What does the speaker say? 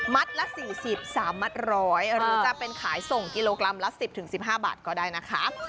มัตต์ละสี่สิบสามมัตต์ร้อยเออหรือจะเป็นขายส่งกิโลกรัมละสิบถึงสิบห้าบาทก็ได้นะคะ